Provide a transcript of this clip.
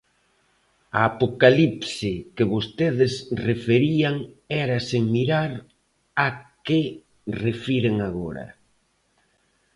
A apocalipse que vostedes referían era sen mirar á que refiren agora.